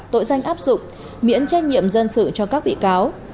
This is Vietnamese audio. tội danh áp dụng miễn trách nhiệm dân sự cho các bị cáo